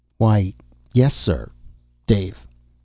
"Why ... yes, sir." "Dave."